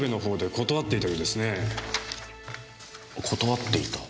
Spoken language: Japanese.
断っていた。